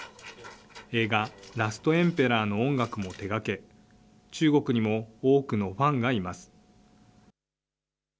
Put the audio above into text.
映画、ラストエンペラーの音楽も手がけ、中国にも多くのファンがいます。